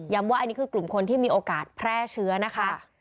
ว่าอันนี้คือกลุ่มคนที่มีโอกาสแพร่เชื้อนะคะ